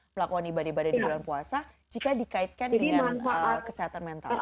melakukan ibadah ibadah di bulan puasa jika dikaitkan dengan kesehatan mental